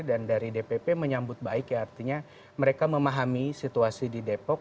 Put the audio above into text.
dan dari dpp menyambut baik artinya mereka memahami situasi di depok